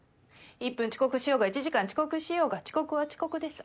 １分遅刻しようが１時間遅刻しようが遅刻は遅刻です。